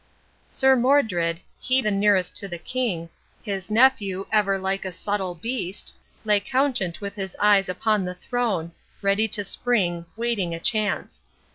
"Sir Modred; he the nearest to the king, His nephew, ever like a subtle beast Lay couchant with his eyes upon the throne, Ready to spring, waiting a chance."